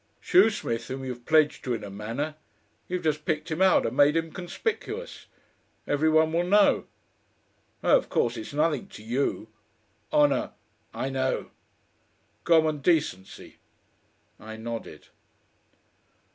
"Shoesmith whom you're pledged to in a manner. You've just picked him out and made him conspicuous. Every one will know. Oh! of course it's nothing to you. Honour " "I know." "Common decency." I nodded.